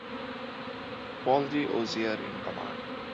Paul G. Osier in command.